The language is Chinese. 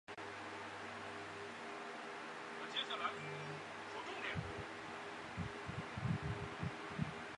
紫色金线鲃为辐鳍鱼纲鲤形目鲤科金线鲃属的其中一种鱼类。